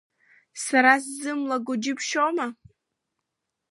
Сара сзымлаго џьыбшьома!